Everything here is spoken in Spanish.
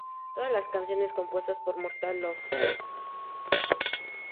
Todas las canciones compuestas por Mortal Love.